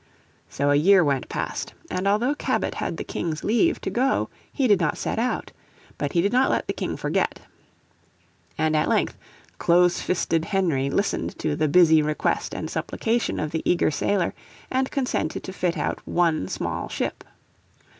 So a year went past, and although Cabot had the King's leave to go he did not set out. But he did not let the King forget. And at length close fisted Henry listened to "the busy request and supplication" of the eager sailor, and consented to fit out one small ship.